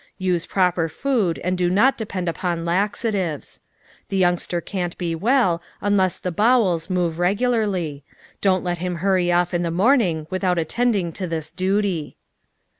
Use proper food and do not depend upon laxatives. The youngster can't be well unless the bowels move regularly. Don't let him hurry off in the morning v/ithout attending to this duty.